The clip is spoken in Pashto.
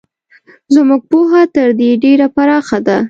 زموږ پوهه تر دې ډېره پراخه ده.